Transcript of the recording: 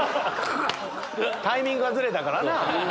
タイミングがずれたからな。